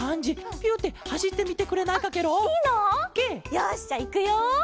よしじゃあいくよ！